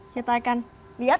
kita akan lihat